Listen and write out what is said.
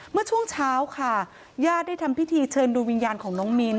เมื่อช่วงเช้าค่ะญาติได้ทำพิธีเชิญดูวิญญาณของน้องมิ้น